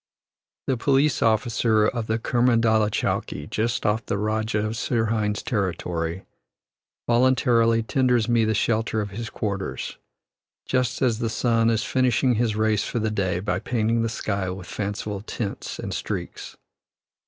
The police officer of Kermandalah chowkee, just off the Rajah of Sirhind's territory, voluntarily tenders me the shelter of his quarters, just as the sun is finishing his race for the day by painting the sky with fanciful tints and streaks.